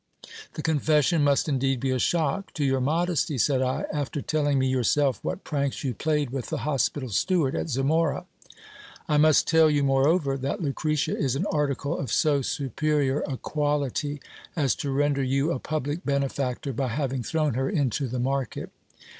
The confession must indeed be a shock to your modesty, said I, after telling me yourself what pranks you played with the hospital steward at Zamora. I must tell you moreover that Lucretia is an article of so superior a quality as to render you a public benefactor by having thrown her into the market.